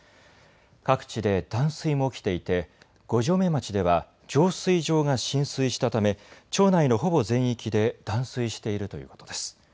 各地で断水も起きていて五城目町では浄水場が浸水したため町内のほぼ全域で断水しているということです。